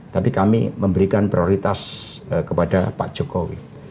tapi kami memberikan prioritas kepada pak jokowi